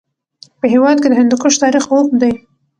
په هېواد کې د هندوکش تاریخ اوږد دی.